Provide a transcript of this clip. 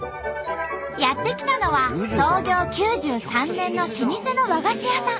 やって来たのは創業９３年の老舗の和菓子屋さん。